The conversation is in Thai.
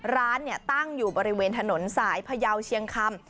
ร้านตั้งอยู่บริเวณถนนสายพยาวเชียงคำ